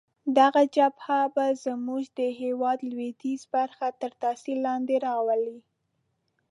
دغه جبهه به زموږ د هیواد لویدیځې برخې تر تاثیر لاندې راولي.